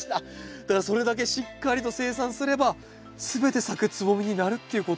だからそれだけしっかりと生産すれば全て咲くつぼみになるっていうことなんですよね。